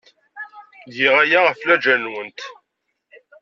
Giɣ aya ɣef lǧal-nwent.